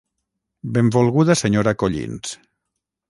Benvolguda senyora Collins.